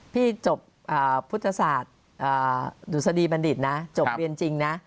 พี่จบภุษภาษณ์ดุสดีมนตรฐจบเรียนจริงนะ